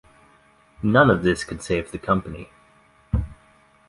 None of this could save the company.